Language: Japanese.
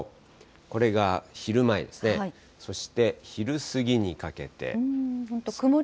これが昼前ですね、そして昼過ぎにかけて。